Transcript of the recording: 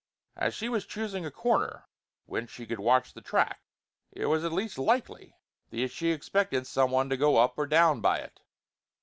As she was choosing a corner whence she could watch the track, it was at least likely that she expected some one to go up or down by it.